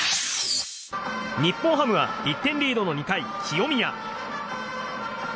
日本ハムは１点リードの２回、清宮。